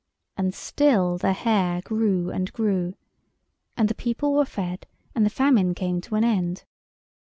And still the hair grew and grew. And the people were fed and the famine came to an end.